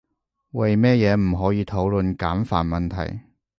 為乜嘢唔可以討論簡繁問題？